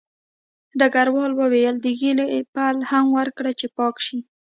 ډګروال وویل د ږیرې پل هم ورکړه چې پاک شي